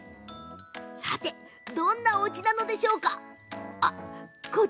どんなおうちなのでしょうか？